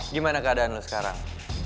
gimana keadaan lo sekarang